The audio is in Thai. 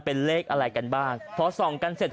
เป็นเลขอะไรกันบ้าง